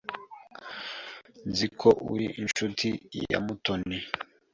Nzi ko uri inshuti ya Mutoni.